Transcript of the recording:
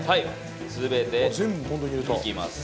全ていきます